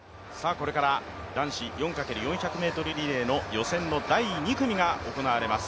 これから男子４×４００ｍリレーの予選の第２組が行われます。